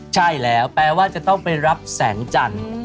ใช่แล้วแปลว่าจะต้องไปรับแสงจันทร์